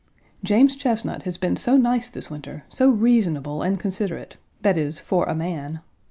James Chesnut has been so nice this winter; so reasonable and considerate that is, for a man.